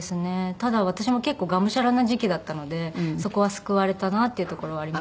ただ私も結構がむしゃらな時期だったのでそこは救われたなっていうところはありましたね。